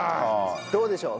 どうでしょう？